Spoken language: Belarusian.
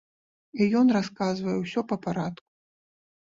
І ён расказвае ўсё па парадку.